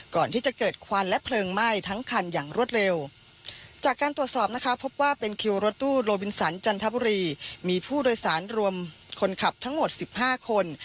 ก่อนที่จะเกิดควันและเพลิงไหม้ทั้งคันอย่างรวดเร็วจากการตรวจสอบนะคะพบว่าเป็นคิวรถตู้โลบินสันจันทบุรีมีผู้โดยสารรวมคนขับทั้งหมดสิบห้าคน